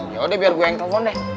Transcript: yaudah biar gue yang telpon deh